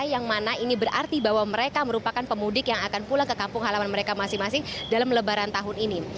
yang mana ini berarti bahwa mereka merupakan pemudik yang akan pulang ke kampung halaman mereka masing masing dalam lebaran tahun ini